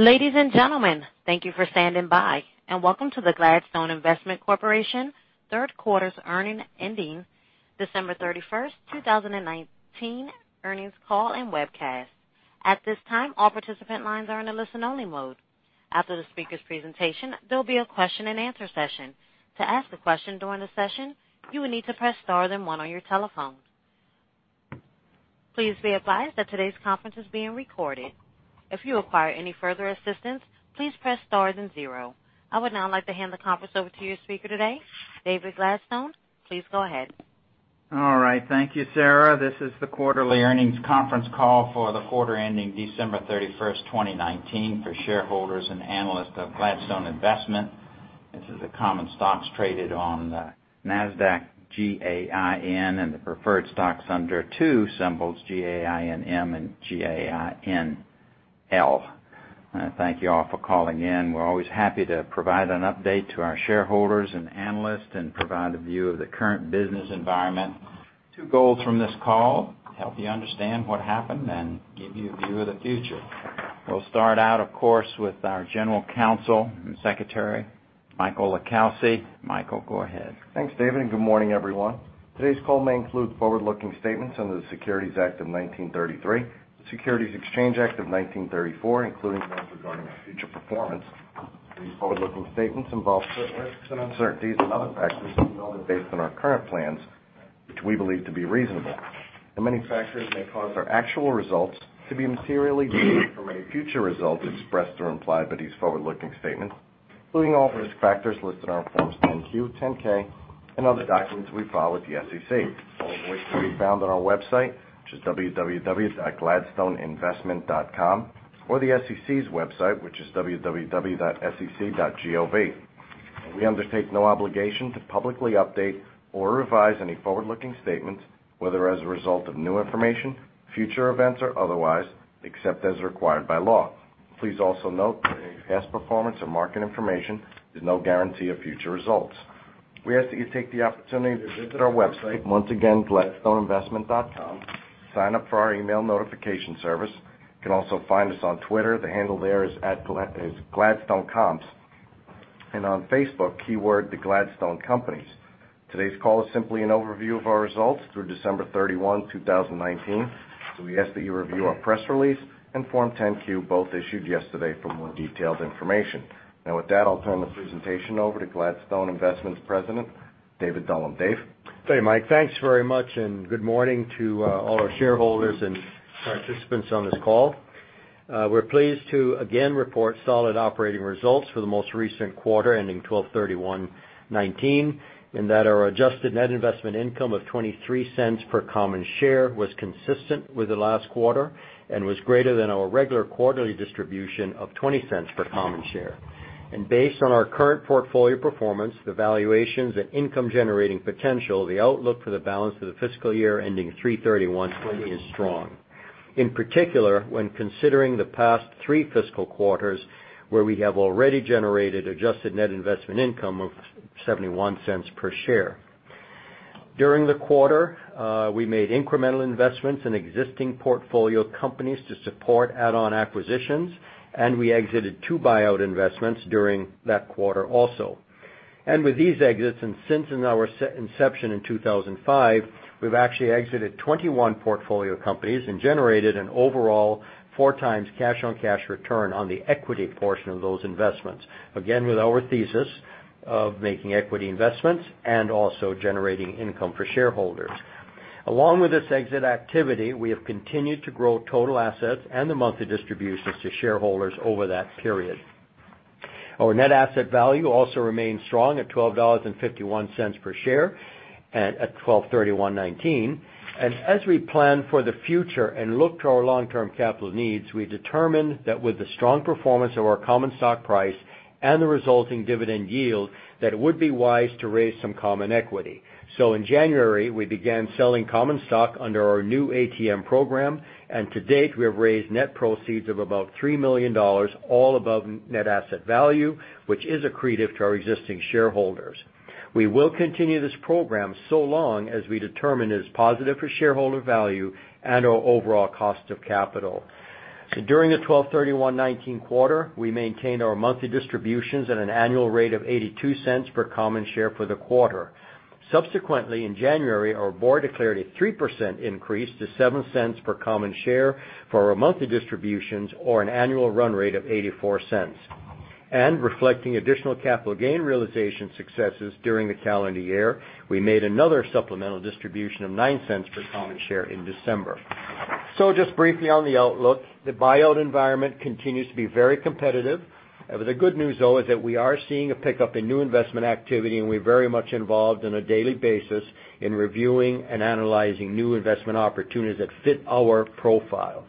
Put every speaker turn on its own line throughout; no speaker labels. Ladies and gentlemen, thank you for standing by, and welcome to the Gladstone Investment Corporation Third Quarter's Ending December 31st, 2019 earnings call and webcast. At this time, all participant lines are in a listen-only mode. After the speaker's presentation, there will be a question and answer session. To ask a question during the session, you will need to press star then one on your telephone. Please be advised that today's conference is being recorded. If you require any further assistance, please press star then zero. I would now like to hand the conference over to your speaker today, David Gladstone. Please go ahead.
All right. Thank you, Sarah. This is the quarterly earnings conference call for the quarter ending December 31st, 2019 for shareholders and analysts of Gladstone Investment. This is the common stocks traded on NASDAQ, G-A-I-N, and the preferred stocks under two symbols, G-A-I-N-M and G-A-I-N-L. I thank you all for calling in. We're always happy to provide an update to our shareholders and analysts and provide a view of the current business environment. Two goals from this call, to help you understand what happened and give you a view of the future. We'll start out, of course, with our General Counsel and Secretary, Michael LiCalsi. Michael, go ahead.
Thanks, David. Good morning, everyone. Today's call may include forward-looking statements under the Securities Act of 1933, the Securities Exchange Act of 1934, including risks regarding our future performance. These forward-looking statements involve certain risks, and uncertainties and other factors that we know are based on our current plans, which we believe to be reasonable. Many factors may cause our actual results to be materially different from any future results expressed or implied by these forward-looking statements, including all risk factors listed in our forms 10-Q, 10-K, and other documents we file with the SEC, all of which can be found on our website, which is www.gladstoneinvestment.com or the SEC's website, which is www.sec.gov. We undertake no obligation to publicly update or revise any forward-looking statements, whether as a result of new information, future events, or otherwise, except as required by law. Please also note that any past performance or market information is no guarantee of future results. We ask that you take the opportunity to visit our website, once again, gladstoneinvestment.com, sign up for our email notification service. You can also find us on Twitter. The handle there is @gladstonecomps. On Facebook, keyword, The Gladstone Companies. Today's call is simply an overview of our results through December 31, 2019. We ask that you review our press release and form 10-Q, both issued yesterday for more detailed information. With that, I'll turn the presentation over to Gladstone Investment's President, David Dullum. Dave.
Hey, Mike. Thanks very much, good morning to all our shareholders and participants on this call. We're pleased to again report solid operating results for the most recent quarter ending 12/31/2019, that our adjusted net investment income of $0.23 per common share was consistent with the last quarter and was greater than our regular quarterly distribution of $0.20 per common share. Based on our current portfolio performance, the valuations and income-generating potential, the outlook for the balance of the fiscal year ending 3/31/2020 is strong. In particular, when considering the past three fiscal quarters where we have already generated adjusted net investment income of $0.71 per share. During the quarter, we made incremental investments in existing portfolio companies to support add-on acquisitions, we exited two buyout investments during that quarter also. With these exits, since in our inception in 2005, we've actually exited 21 portfolio companies and generated an overall 4x cash-on-cash return on the equity portion of those investments. Again, with our thesis of making equity investments and also generating income for shareholders. Along with this exit activity, we have continued to grow total assets and the monthly distributions to shareholders over that period. Our NAV also remains strong at $12.51 per share at 12/31/2019. As we plan for the future and look to our long-term capital needs, we determine that with the strong performance of our common stock price and the resulting dividend yield, that it would be wise to raise some common equity. In January, we began selling common stock under our new ATM program, and to date, we have raised net proceeds of about $3 million, all above Net Asset Value, which is accretive to our existing shareholders. We will continue this program so long as we determine it is positive for shareholder value and our overall cost of capital. During the 12/31/2019 quarter, we maintained our monthly distributions at an annual rate of $0.82 per common share for the quarter. Subsequently, in January, our board declared a 3%, increase to $0.07 per common share for our monthly distributions or an annual run rate of $0.84. Reflecting additional capital gain realization successes during the calendar year, we made another supplemental distribution of $0.09 per common share in December. Just briefly on the outlook, the buyout environment continues to be very competitive. The good news, though, is that we are seeing a pickup in new investment activity, and we're very much involved on a daily basis in reviewing and analyzing new investment opportunities that fit our profile.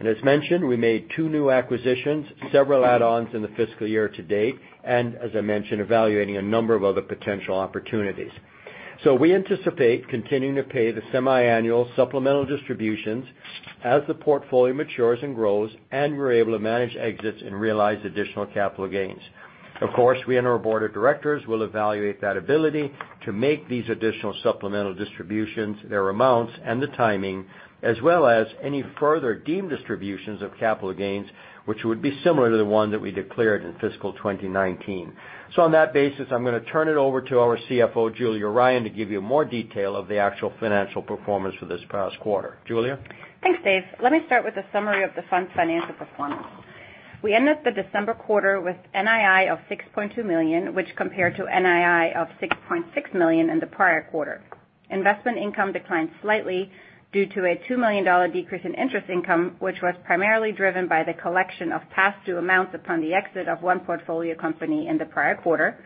As mentioned, we made two new acquisitions, several add-ons in the fiscal year to date, and as I mentioned, evaluating a number of other potential opportunities. We anticipate continuing to pay the semiannual supplemental distributions as the portfolio matures and grows, and we're able to manage exits and realize additional capital gains. Of course, we and our board of directors will evaluate that ability to make these additional supplemental distributions, their amounts, and the timing, as well as any further deemed distributions of capital gains, which would be similar to the one that we declared in fiscal 2019. On that basis, I'm going to turn it over to our CFO, Julia Ryan, to give you more detail of the actual financial performance for this past quarter. Julia?
Thanks, Dave. Let me start with a summary of the fund's financial performance. We end the December quarter with NII of $6.2 million, which compared to NII of $6.6 million in the prior quarter. Investment income declined slightly due to a $2 million decrease in interest income, which was primarily driven by the collection of past due amounts upon the exit of one portfolio company in the prior quarter,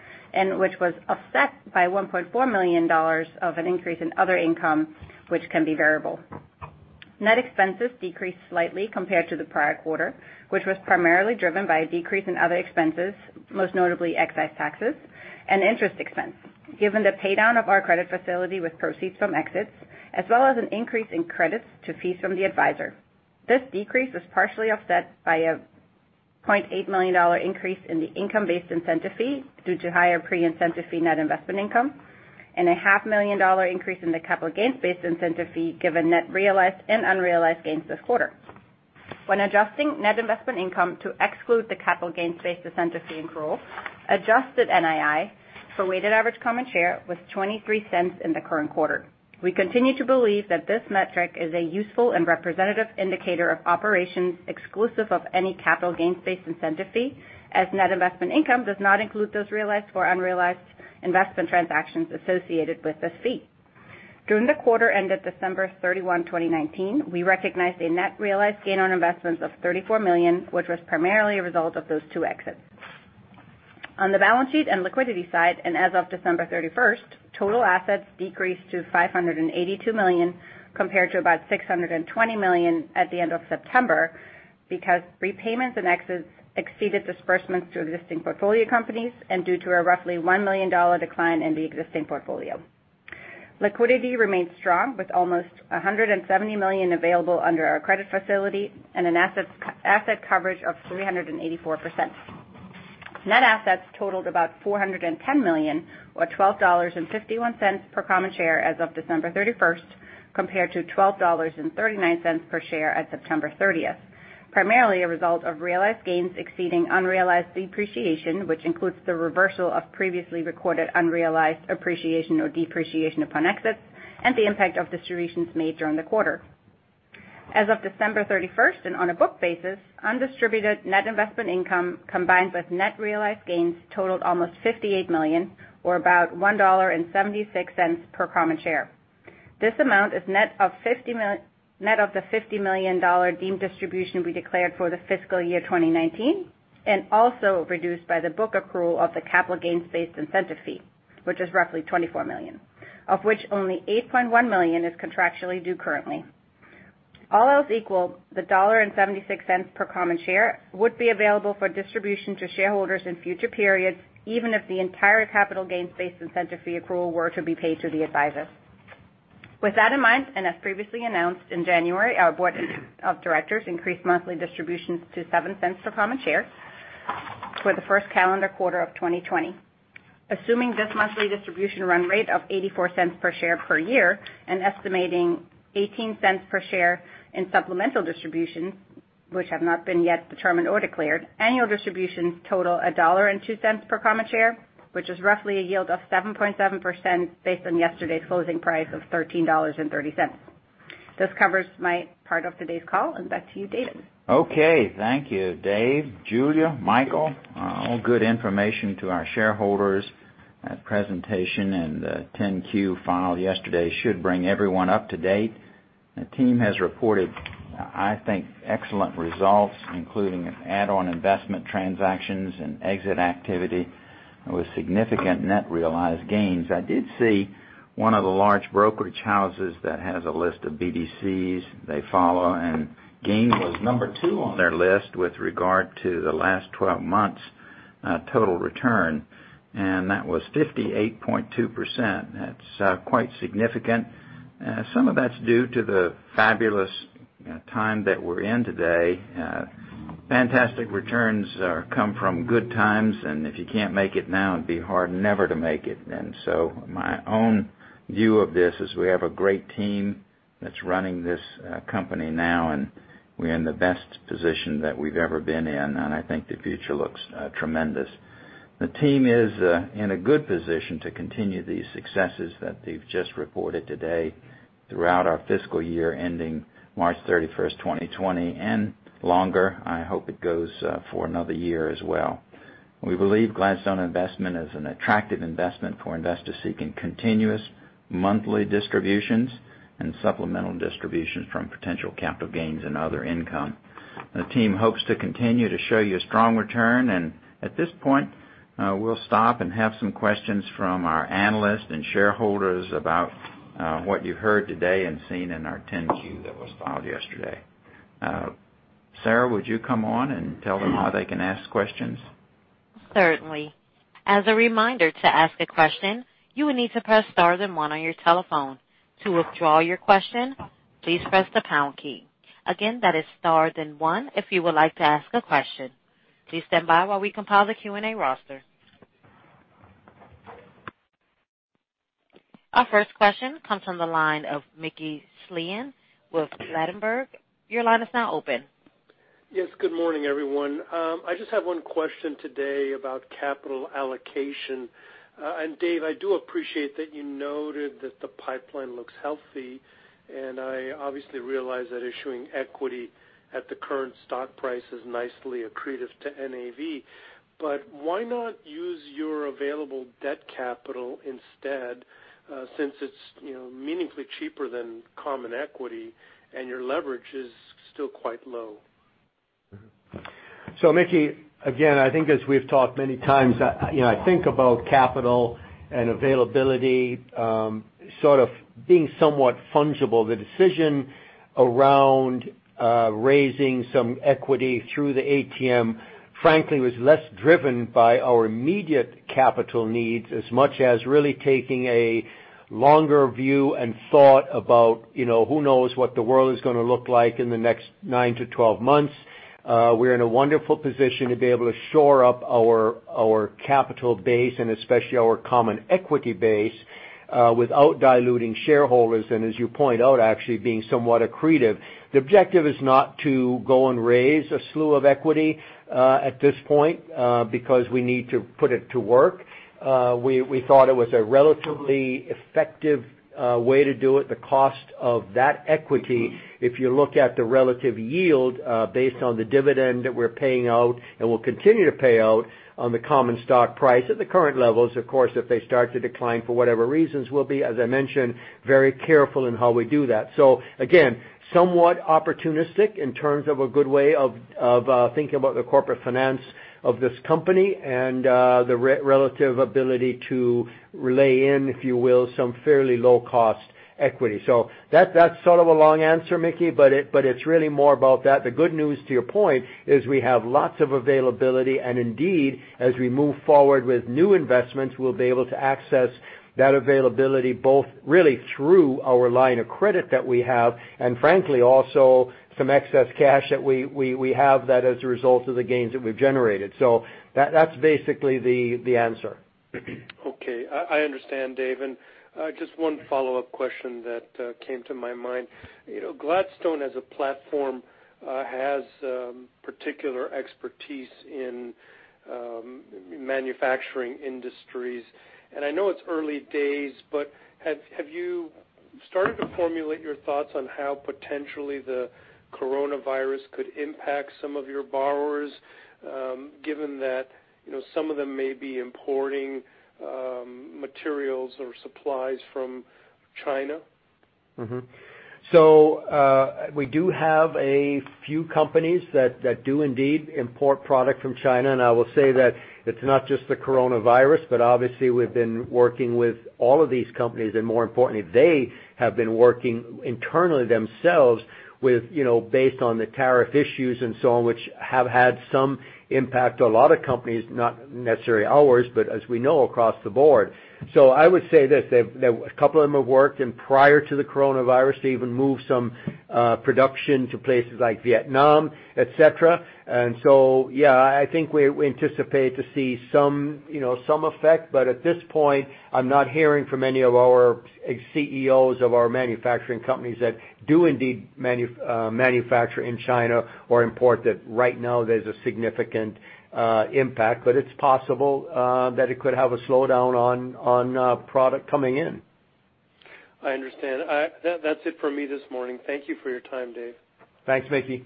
which was offset by $1.4 million of an increase in other income, which can be variable. Net expenses decreased slightly compared to the prior quarter, which was primarily driven by a decrease in other expenses, most notably excise taxes and interest expense, given the pay-down of our credit facility with proceeds from exits, as well as an increase in credits to fees from the advisor. This decrease was partially offset by a $0.8 million increase in the income-based incentive fee due to higher pre-incentive fee net investment income, and a half million dollar increase in the capital gains based incentive fee given net realized and unrealized gains this quarter. When adjusting net investment income to exclude the capital gains based incentive fee accrual, adjusted NII for weighted average common share was $0.23 in the current quarter. We continue to believe that this metric is a useful and representative indicator of operations exclusive of any capital gains based incentive fee, as net investment income does not include those realized or unrealized investment transactions associated with this fee. During the quarter ended December 31, 2019, we recognized a net realized gain on investments of $34 million, which was primarily a result of those two exits. On the balance sheet and liquidity side, as of December 31st, total assets decreased to $582 million, compared to about $620 million at the end of September, because repayments and exits exceeded disbursements to existing portfolio companies and due to a roughly $1 million decline in the existing portfolio. Liquidity remains strong with almost $170 million available under our credit facility and an asset coverage of 384%. Net assets totaled about $410 million or $12.51 per common share as of December 31st, compared to $12.39 per share at September 30th. Primarily a result of realized gains exceeding unrealized depreciation, which includes the reversal of previously recorded unrealized appreciation or depreciation upon exits and the impact of distributions made during the quarter. As of December 31st, on a book basis, undistributed net investment income, combined with net realized gains, totaled almost $58 million or about $1.76 per common share. This amount is net of the $50 million deemed distribution we declared for the fiscal year 2019, and also reduced by the book accrual of the capital gains-based incentive fee, which is roughly $24 million, of which only $8.1 million is contractually due currently. All else equal, the $1.76 per common share would be available for distribution to shareholders in future periods, even if the entire capital gains-based incentive fee accrual were to be paid to the advisor. With that in mind, and as previously announced in January, our board of directors increased monthly distributions to $0.07 per common share for the first calendar quarter of 2020. Assuming this monthly distribution run rate of $0.84 per share per year and estimating $0.18 per share in supplemental distributions, which have not been yet determined or declared, annual distributions total $1.02 per common share, which is roughly a yield of 7.7%, based on yesterday's closing price of $13.30. This covers my part of today's call, and back to you, David.
Okay. Thank you, Dave, Julia, Michael. All good information to our shareholders. That presentation and the 10-Q filed yesterday should bring everyone up to date. The team has reported, I think, excellent results, including add-on investment transactions and exit activity with significant net realized gains. I did see one of the large brokerage houses that has a list of BDCs they follow. GAIN was number 2 on their list with regard to the last 12 months total return. That was 58.2%. That's quite significant. Some of that's due to the fabulous time that we're in today. Fantastic returns come from good times. If you can't make it now, it'd be hard never to make it. My own view of this is we have a great team that's running this company now, and we're in the best position that we've ever been in, and I think the future looks tremendous. The team is in a good position to continue the successes that they've just reported today throughout our fiscal year ending March 31st, 2020 and longer. I hope it goes for another year as well. We believe Gladstone Investment is an attractive investment for investors seeking continuous monthly distributions and supplemental distributions from potential capital gains and other income. The team hopes to continue to show you a strong return. At this point, we'll stop and have some questions from our analysts and shareholders about what you heard today and seen in our 10-Q that was filed yesterday. Sarah, would you come on and tell them how they can ask questions?
Certainly. As a reminder, to ask a question, you will need to press star then one on your telephone. To withdraw your question, please press the pound key. Again, that is star then one if you would like to ask a question. Please stand by while we compile the Q&A roster. Our first question comes from the line of Mickey Schleien with Ladenburg. Your line is now open.
Yes. Good morning, everyone. I just have one question today about capital allocation. Dave, I do appreciate that you noted that the pipeline looks healthy, and I obviously realize that issuing equity at the current stock price is nicely accretive to NAV. Why not use your available debt capital instead, since it's meaningfully cheaper than common equity and your leverage is still quite low?
Mickey, again, I think as we've talked many times, I think about capital and availability sort of being somewhat fungible. The decision around raising some equity through the ATM, frankly, was less driven by our immediate capital needs as much as really taking a longer view and thought about who knows what the world is going to look like in the next 9-12 months. We're in a wonderful position to be able to shore up our capital base and especially our common equity base, without diluting shareholders, and as you point out, actually being somewhat accretive. The objective is not to go and raise a slew of equity at this point, because we need to put it to work. We thought it was a relatively effective way to do it. The cost of that equity, if you look at the relative yield based on the dividend that we're paying out and will continue to pay out on the common stock price at the current levels. Of course, if they start to decline for whatever reasons will be, as I mentioned, very careful in how we do that. Again, somewhat opportunistic in terms of a good way of thinking about the corporate finance of this company and the relative ability to relay in, if you will, some fairly low-cost equity. That's sort of a long answer, Mickey, but it's really more about that. The good news, to your point, is we have lots of availability and indeed, as we move forward with new investments, we'll be able to access that availability both really through our line of credit that we have and frankly, also some excess cash that we have that as a result of the gains that we've generated. That's basically the answer.
Okay. I understand, Dave, and just one follow-up question that came to my mind. Gladstone as a platform has particular expertise in manufacturing industries. I know it's early days, but have you started to formulate your thoughts on how potentially the coronavirus could impact some of your borrowers, given that some of them may be importing materials or supplies from China?
We do have a few companies that do indeed import product from China. I will say that it's not just the coronavirus, but obviously we've been working with all of these companies and more importantly, they have been working internally themselves based on the tariff issues and so on, which have had some impact on a lot of companies, not necessarily ours, but as we know, across the board. I would say this, that a couple of them have worked and prior to the coronavirus, they even moved some production to places like Vietnam, et cetera. Yeah, I think we anticipate to see some effect, but at this point, I'm not hearing from any of our CEOs of our manufacturing companies that do indeed manufacture in China or import that right now there's a significant impact. It's possible that it could have a slowdown on product coming in.
I understand. That's it for me this morning. Thank you for your time, Dave.
Thanks, Mickey.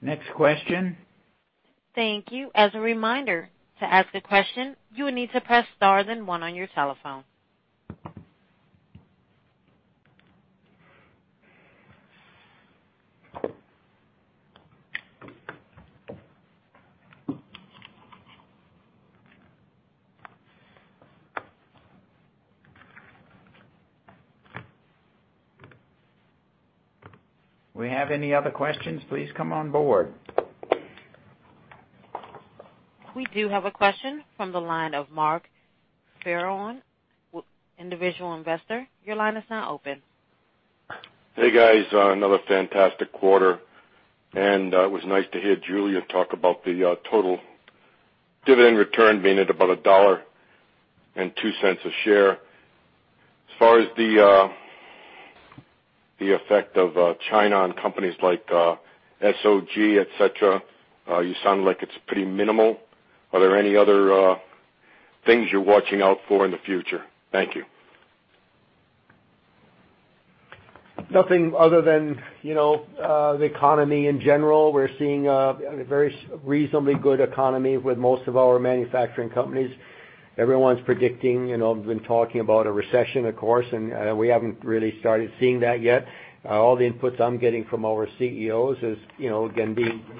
Next question.
Thank you. As a reminder, to ask a question, you will need to press star then one on your telephone.
We have any other questions, please come on board.
We do have a question from the line of Mark Farron, individual investor. Your line is now open.
Hey, guys. Another fantastic quarter. It was nice to hear Julia talk about the total dividend return being at about $1.02 a share. As far as the effect of China on companies like SOG, et cetera, you sound like it's pretty minimal. Are there any other things you're watching out for in the future? Thank you.
Nothing other than the economy in general. We're seeing a very reasonably good economy with most of our manufacturing companies. Everyone's predicting, been talking about a recession, of course, and we haven't really started seeing that yet. All the inputs I'm getting from our CEOs is, again,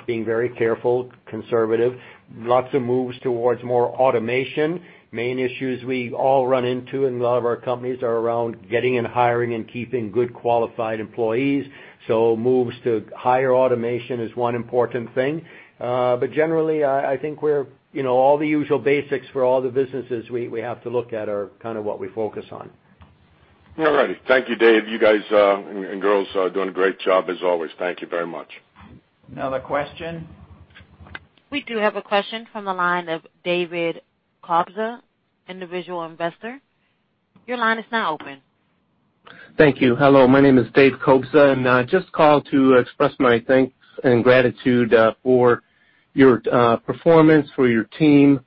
being very careful, conservative. Lots of moves towards more automation. Main issues we all run into in a lot of our companies are around getting and hiring and keeping good qualified employees. Moves to higher automation is one important thing. Generally, I think all the usual basics for all the businesses we have to look at are kind of what we focus on.
All right. Thank you, Dave. You guys and girls are doing a great job as always. Thank you very much.
Another question?
We do have a question from the line of David Cobza, individual investor. Your line is now open.
Thank you. Hello. My name is Dave Cobza, I just called to express my thanks and gratitude for your performance, for your team.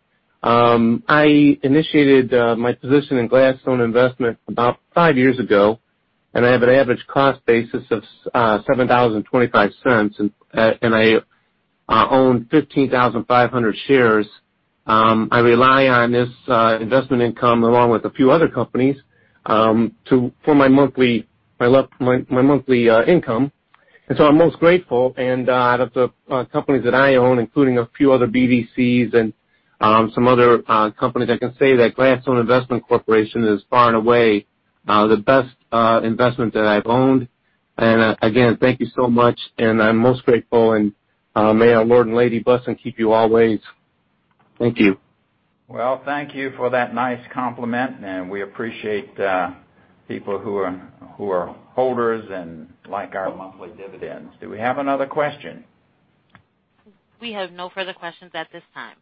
I initiated my position in Gladstone Investment about five years ago, I have an average cost basis of $7.25, I own 15,500 shares. I rely on this investment income along with a few other companies, for my monthly income. I'm most grateful. Out of the companies that I own, including a few other BDCs and some other companies, I can say that Gladstone Investment Corporation is far and away the best investment that I've owned. Again, thank you so much, I'm most grateful, may our Lord and Lady bless and keep you always. Thank you.
Well, thank you for that nice compliment, and we appreciate people who are holders and like our monthly dividends. Do we have another question?
We have no further questions at this time.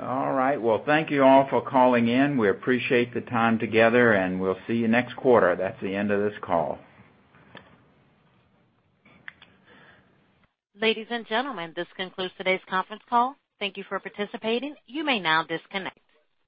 All right. Well, thank you all for calling in. We appreciate the time together, and we'll see you next quarter. That's the end of this call.
Ladies and gentlemen, this concludes today's conference call. Thank you for participating. You may now disconnect.